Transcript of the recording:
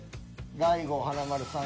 大悟華丸さん。